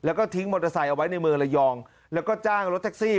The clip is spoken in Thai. แล้วก็ทิ้งมอเตอร์ไซค์เอาไว้ในเมืองระยองแล้วก็จ้างรถแท็กซี่